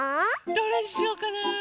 どれにしようかな。